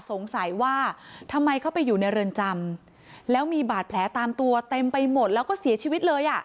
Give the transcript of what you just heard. สงสัยว่าทำไมเขาไปอยู่ในเรือนจำแล้วมีบาดแผลตามตัวเต็มไปหมดแล้วก็เสียชีวิตเลยอ่ะ